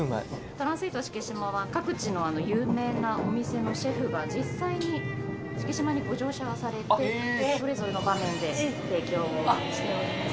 ＴＲＡＩＮＳＵＩＴＥ四季島は各地の有名なお店のシェフが実際に四季島にご乗車されてそれぞれの場面で提供をしております。